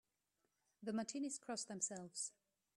The Martinis cross themselves.